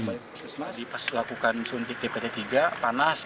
pada saat dia dilakukan suntik dpt ketiga panas